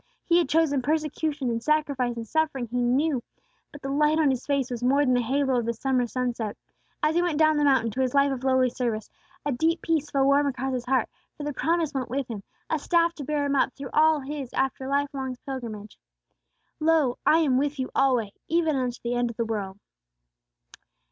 He had chosen persecution and sacrifice and suffering, he knew, but the light on his face was more than the halo of the summer sunset. As he went down the mountain to his life of lowly service, a deep peace fell warm across his heart; for the promise went with him, a staff to bear him up through all his after life's long pilgrimage: "LO, I AM WITH YOU ALWAY, EVEN UNTO THE END OF THE WORLD!"